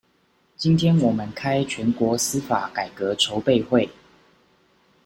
今天我們開全國司法改革籌備會